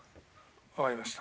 わかりました。